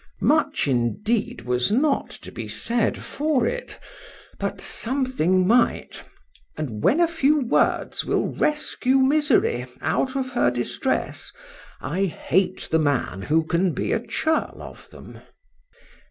Much indeed was not to be said for it,—but something might;—and when a few words will rescue misery out of her distress, I hate the man who can be a churl of them.